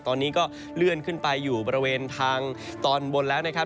ตอนนี้ก็เลื่อนขึ้นไปอยู่บริเวณทางตอนบนแล้วนะครับ